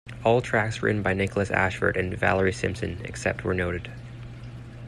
All tracks written by Nickolas Ashford and Valerie Simpson except where noted.